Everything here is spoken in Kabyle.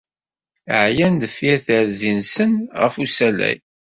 Ɛyan deffir terzi-nsen ɣef usalay.